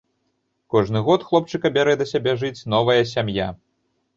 Кожны год хлопчыка бярэ да сябе жыць новая сям'я.